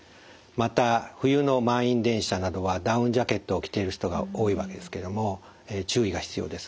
また冬の満員電車などはダウンジャケットを着ている人が多いわけですけども注意が必要です。